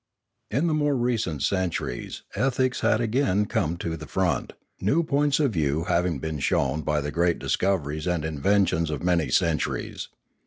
In the more recent centuries ethics had again come to the front, new points of view having been shown by the great discoveries and inventions of many centuries.